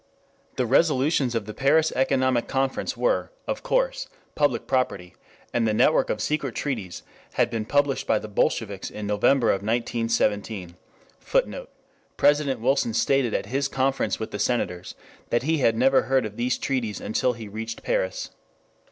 The resolutions of the Paris Economic Conference were, of course, public property, and the network of secret treaties had been published by the Bolsheviks in November of 1917. [Footnote: President Wilson stated at his conference with the Senators that he had never heard of these treaties until he reached Paris.